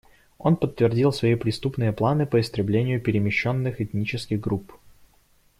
Он подтвердил свои преступные планы по истреблению перемещенных этнических групп.